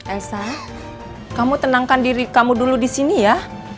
elsa kamu tenangkan diri kamu dulu disini ya